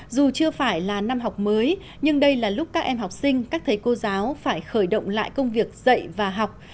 dù chưa phải là năm học mới nhưng đây là lúc các em học sinh các thầy cô giáo phải khởi động lại công việc dạy và học